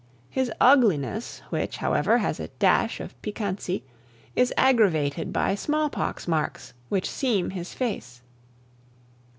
His ugliness, which, however, has a dash of piquancy, is aggravated by smallpox marks, which seam his face.